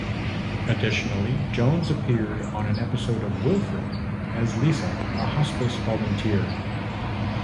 Additionally, Jones appeared on an episode of "Wilfred" as Lisa, a hospice volunteer.